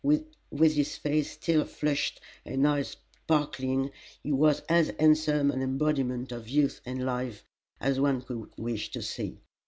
With his face still flushed and eyes sparkling he was as handsome an embodiment of youth and life as one could wish to see.